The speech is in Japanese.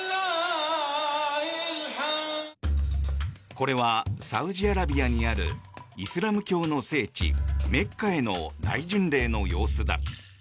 これはサウジアラビアにあるイスラム教の聖地メッカへの大巡礼の様子だ。